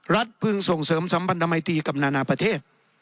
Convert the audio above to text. พึงส่งเสริมสัมพันธมัยตีกับนานาประเทศ